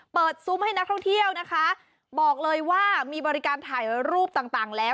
ซุ้มให้นักท่องเที่ยวนะคะบอกเลยว่ามีบริการถ่ายรูปต่างต่างแล้ว